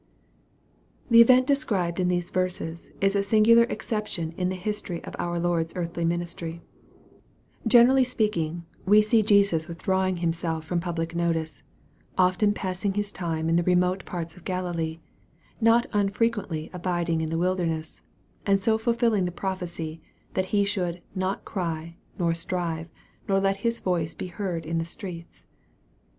THE event described in these verses, is a singular ex ception in the history of our Lord's earthly ministry. Generally speaking, we see Jesus withdrawing Himself from public notice often passing His time in the remote parts of Galilee not unfrequently abiding in the wilder ness and so fulfilling the prophecy, that He should "not cry, nor strive, nor let His voice be heard in the streets."